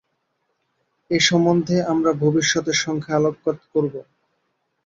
এটা সম্বন্ধে আমরা ভবিষ্যতের সংখ্যায় আলোকপাত করব।